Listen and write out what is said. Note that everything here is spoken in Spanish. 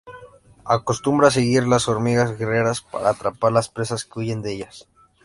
Acostumbra seguir las hormigas guerreras para atrapar las presas que huyen de ellas.